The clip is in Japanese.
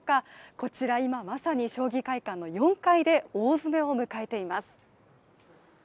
こちら今、まさに将棋会館の４階で大詰めを迎えています。